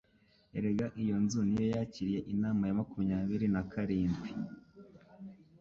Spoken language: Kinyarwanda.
Erega iyo nzu ni yo yakiriye inama ya makumyabiri na karindwi